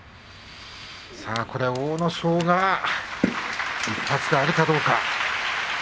これは阿武咲が１発があるかどうか。